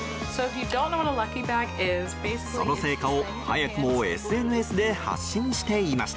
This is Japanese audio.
その成果を早くもＳＮＳで発信していました。